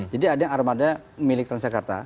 ada armada milik transjakarta